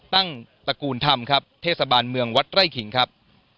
ตระกูลธรรมครับเทศบาลเมืองวัดไร่ขิงครับ